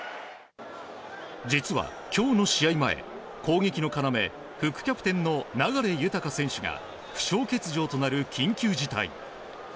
実は、今日の試合前攻撃の要、副キャプテンの流大選手が負傷欠場となる緊急事態。